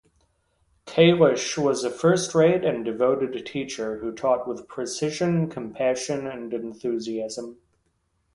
Kalish was a first-rate and devoted teacher, who taught with precision, compassion and enthusiasm.